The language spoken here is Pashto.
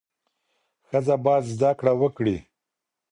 ښځه باید زده کړه وکړي.